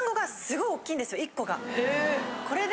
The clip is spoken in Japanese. １個が。